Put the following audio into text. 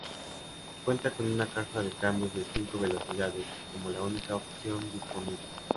Cuenta con una caja de cambios de cinco velocidades como la única opción disponible.